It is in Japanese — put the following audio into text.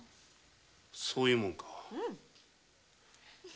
そういうものかな？